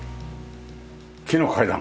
木の階段。